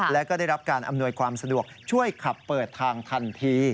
แล้วก็ได้รับการอำนวยความสะดวกช่วยขับเปิดทางทันที